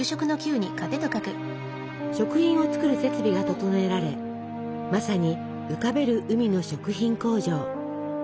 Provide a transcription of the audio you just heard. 食品を作る設備が整えられまさに「浮かべる海の食品工場」。